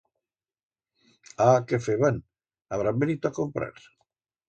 Ah, qué feban? Habrán venito a comprar?